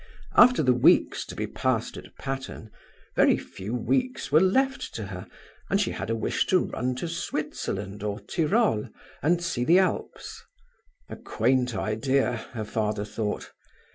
After the weeks to be passed at Patterne, very few weeks were left to her, and she had a wish to run to Switzerland or Tyrol and see the Alps; a quaint idea, her father thought.